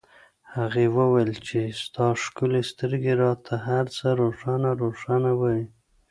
هغې وویل چې ستا ښکلې سترګې راته هرڅه روښانه روښانه وایي